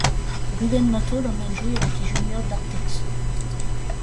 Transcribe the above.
Rubén Mato l'emmène jouer avec les juniors d'Arteixo.